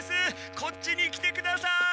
こっちに来てください。